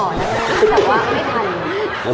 แต่ว่าไม่ทันนะครับ